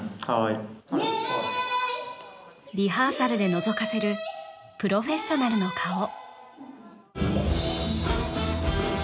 はいイエーイリハーサルでのぞかせるプロフェッショナルの顔